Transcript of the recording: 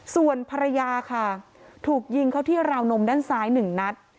ส่วนภรรยาค่ะถูกยิงเข้าที่ราวนมด้านซ้าย๑นัด